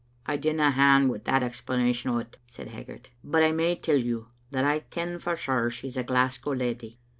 *'I dinna hand wi' that explanation o't," said Hag gart, "but I may tell you that I ken for sure she's a Glasgow leddy.